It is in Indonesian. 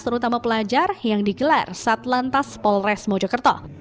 terutama pelajar yang digelar saat lantas polres mojokerto